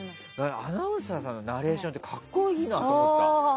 アナウンサーさんのナレーションって格好いいなと思った。